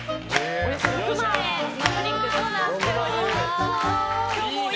およそ６万円となっております。